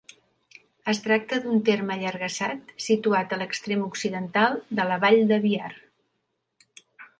Es tracta d'un terme allargassat situat a l'extrem occidental de la Vall de Biar.